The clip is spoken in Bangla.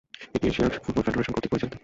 এটি এশিয়ান ফুটবল কনফেডারেশন কর্তৃক পরিচালিত।